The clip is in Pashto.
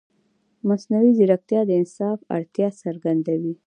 مصنوعي ځیرکتیا د انصاف اړتیا څرګندوي.